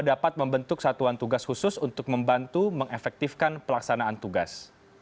dapat membentuk satuan tugas khusus untuk membantu mengefektifkan pelaksanaan tugas